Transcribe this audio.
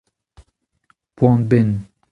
poan-benn.